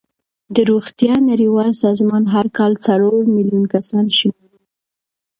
د روغتیا نړیوال سازمان هر کال څلور میلیون کسان شمېرلې.